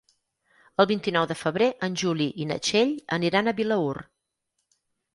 El vint-i-nou de febrer en Juli i na Txell aniran a Vilaür.